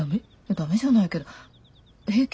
ダメじゃないけど平気？